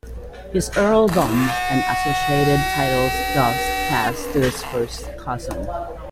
His earldom and associated titles thus passed to his first cousin.